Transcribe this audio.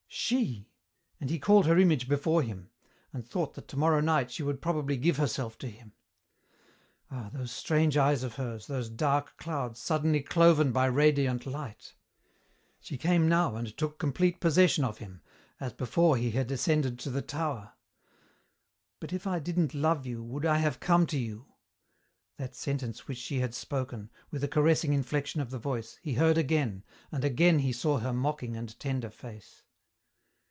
She! And he called her image before him, and thought that tomorrow night she would probably give herself to him. Ah, those strange eyes of hers, those dark clouds suddenly cloven by radiant light! She came now and took complete possession of him, as before he had ascended to the tower. "But if I didn't love you would I have come to you?" That sentence which she had spoken, with a caressing inflection of the voice, he heard again, and again he saw her mocking and tender face.